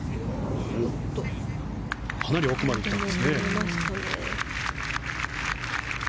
かなり奥まで行ったんですね。